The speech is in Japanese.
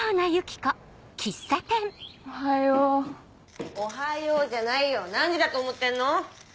・おはよう・「おはよう」じゃないよ何時だと思ってんの？